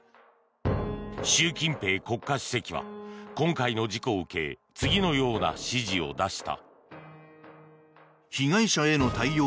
習近平国家主席は今回の事故を受け次のような指示を出した。